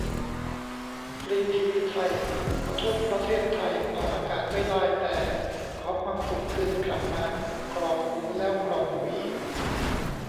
ฟรีทีวีไทย :"ขอโทษประเทศไทย" ออกอากาศไม่ได้ แต่ "ขอความสุขคืนกลับมา" กรอกหูแล้วกรอกหูอีก